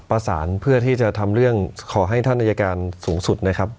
เพื่อที่จะทำเรื่องขอให้ท่านอายการสูงสุดนะครับ